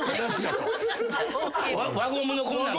輪ゴムのこんなんとか。